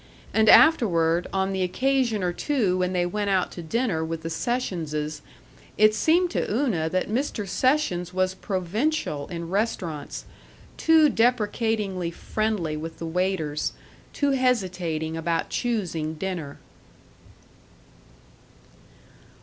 And afterward, on the occasion or two when they went out to dinner with the Sessionses, it seemed to Una that Mr. Sessions was provincial in restaurants, too deprecatingly friendly with the waiters, too hesitating about choosing dinner.